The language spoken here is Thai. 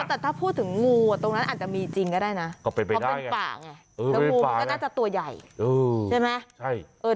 แต่ถ้าพูดถึงงูตรงนั้นอาจจะมีจริงก็ได้นะเพราะเป็นป่าไง